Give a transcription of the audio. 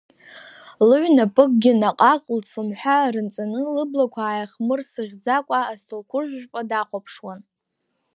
Лыҩнапыкгьы наҟ-ааҟ лыцламҳәа рынҵаны, лыблақәа ааихмырсыӷьӡакәа астолқәыршә жәпа дахәаԥшуан.